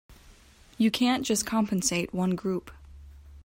You can't just compensate one group.